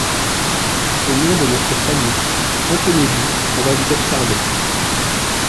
Au nom de notre salut, contenez-vous, on va vous observer.